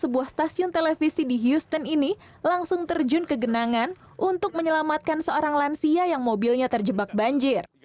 sebuah stasiun televisi di houston ini langsung terjun ke genangan untuk menyelamatkan seorang lansia yang mobilnya terjebak banjir